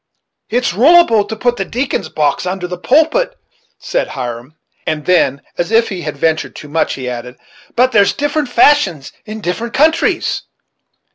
"It is ruleable to put the deacons' box under the pulpit," said Hiram; and then, as if he had ventured too much, he added, "but there's different fashions in different Countries."